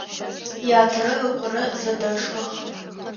Ятэрэ ыкъорэ зэдэшхэх.